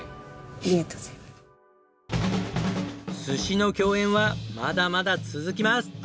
寿司の競演はまだまだ続きます！